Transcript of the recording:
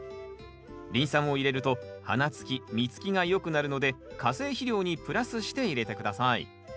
リン酸を入れると花つき実つきがよくなるので化成肥料にプラスして入れて下さい。